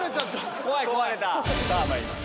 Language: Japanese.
さぁまいります。